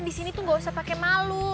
di sini tuh gak usah pakai malu